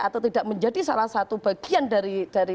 atau tidak menjadi salah satu bagian dari